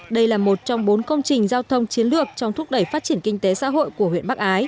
đây là một trong bốn công trình giao thông chiến lược trong thúc đẩy phát triển kinh tế xã hội của huyện bắc ái